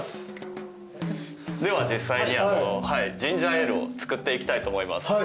では実際にジンジャーエールを作っていきたいと思います。